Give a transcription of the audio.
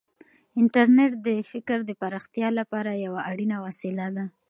انټرنیټ د فکر د پراختیا لپاره یوه اړینه وسیله ده.